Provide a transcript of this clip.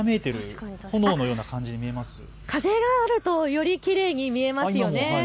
風があるとよりきれいに見えますよね。